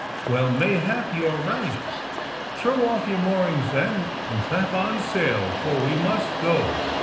Well, mayhap you are right. Throw off your moorings, then, and clap on sail, for we must go.